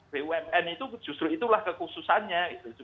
bumn itu justru itulah kekhususannya